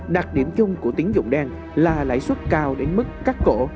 đặc điểm chung của tín dụng đen là lãi suất cao đến mức cắt cổ